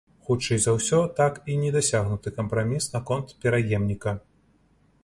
Хутчэй за ўсё, так і не дасягнуты кампраміс наконт пераемніка.